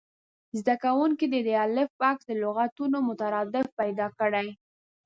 زده کوونکي دې د الف بکس د لغتونو مترادف پیدا کړي.